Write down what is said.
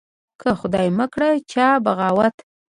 که خدای مکړه چا بغاوت